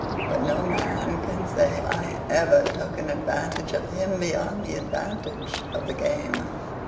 But no man can say I ever took an advantage of him beyond the advantage of the game.